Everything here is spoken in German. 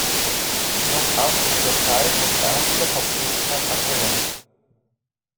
Doch auch die Türkei muss ernste Verpflichtungen erfüllen.